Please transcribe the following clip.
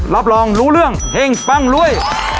รับรองรู้เรื่องเฮ่งปั้งรวย